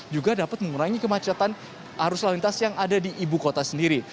juga dapat mengurangi kemacetan arus lalu lintas yang ada di ibu kota sendiri